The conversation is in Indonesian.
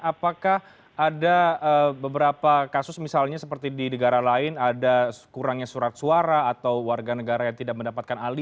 apakah ada beberapa kasus misalnya seperti di negara lain ada kurangnya surat suara atau warga negara yang tidak mendapatkan aliran